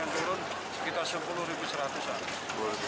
jadi untuk jumlah penumpang semua yang turun